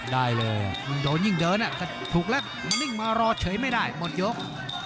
ได้เลยมันโดนยิ่งเดินถ้าถูกแล้วมานิ่งมารอเฉยไม่ได้หมดยก